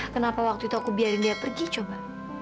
kenapa waktu itu aku biarin dia pergi coba